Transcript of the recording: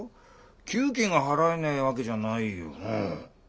給金が払えねえわけじゃないよな？